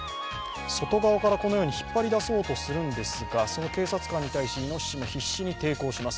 外側からこのように引っ張り出そうとするんですがその警察官に対しいのししも必死に抵抗します。